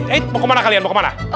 eit mau kemana kalian mau kemana